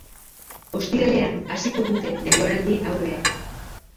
Ostiralean hasiko dute denboraldi-aurrea.